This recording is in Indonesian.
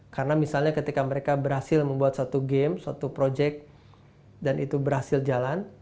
karena misalnya ketika mereka berhasil membuat satu game satu project dan itu berhasil jalan